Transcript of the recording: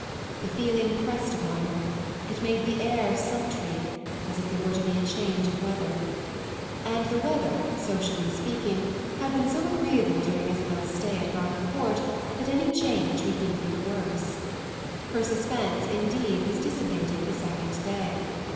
The feeling pressed upon her; it made the air sultry, as if there were to be a change of weather; and the weather, socially speaking, had been so agreeable during Isabel's stay at Gardencourt that any change would be for the worse. Her suspense indeed was dissipated the second day.